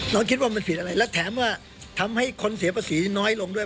คิดว่ามันผิดอะไรและแถมว่าทำให้คนเสียภาษีน้อยลงด้วย